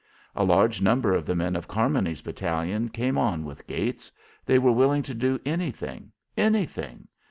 A large number of the men of Carmony's battalion came on with Gates. They were willing to do anything, anything.